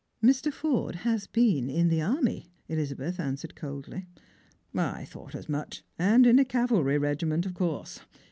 " Mr. Forde has been in the army," Elizabeth answered coldly. " I thought as much, and in a cavalry regiment, of course.